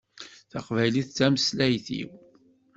Taqbaylit d tameslayt-iw